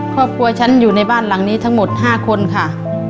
ครอบครัวฉันอยู่ในบ้านหลังนี้ทั้งหมด๕คนค่ะ